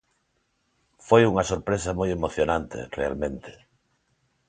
Foi unha sorpresa moi emocionante, realmente.